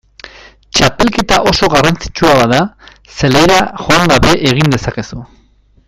Txapelketa oso garrantzitsua bada zelaira joan gabe egin dezakezu.